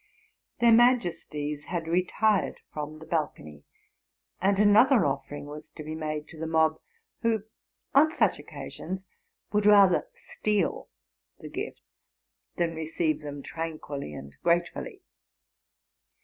Their majesties had retired from the balcony ; and another offering was to be made to the mob, who, on such occasions, would rather steal the gifts than receive them tranquilly and eratefully.